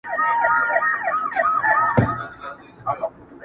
اوس به د چا منتر ته ناڅي سره او ژړ ګلونه.!